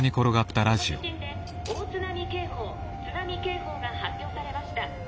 この地震で大津波警報津波警報が発表されました。